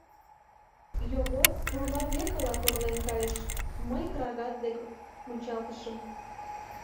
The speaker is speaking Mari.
Йогор пурла векыла торлен кайыш, мый крагат дек мунчалтышым.